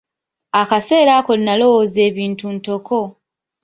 Akaseera ako nnalowooza ebintu ntoko.